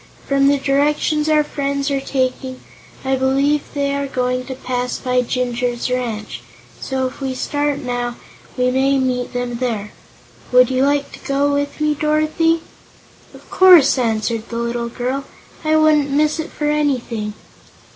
From the directions our friends are taking, I believe they are going to pass by Jinjur's Ranch, so if we start now we may meet them there. Would you like to go with me, Dorothy?" "Of course," answered the little girl; "I wouldn't miss it for anything."